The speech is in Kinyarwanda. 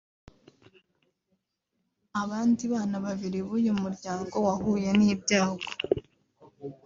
Abandi bana babiri b’uyu muryango wahuye n’ibyago